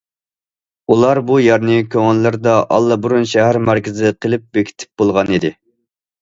ئۇلار بۇ يەرنى كۆڭۈللىرىدە ئاللىبۇرۇن شەھەر مەركىزى قىلىپ بېكىتىپ بولغانىدى.